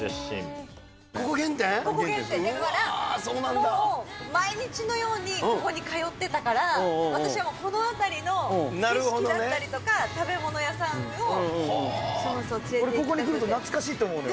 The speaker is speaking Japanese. ほぼ毎日のように、ここに通ってたから、私はもう、この辺りの景色だったりとか、食べ物屋さんに連れていきたくて。